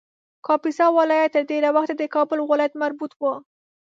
کاپیسا ولایت تر ډېر وخته د کابل ولایت مربوط و